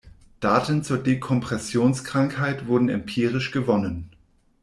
Daten zur Dekompressionskrankheit wurden empirisch gewonnen.